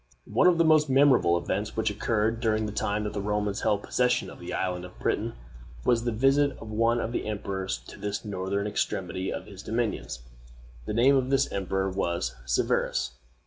One of the most memorable events which occurred during the time that the Romans held possession of the island of Britain was the visit of one of the emperors to this northern extremity of his dominions. The name of this emperor was Severus.